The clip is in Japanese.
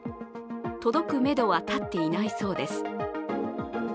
届くめどは立っていないそうです。